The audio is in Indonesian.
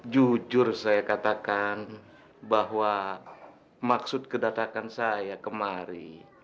jujur saya katakan bahwa maksud kedatangan saya kemari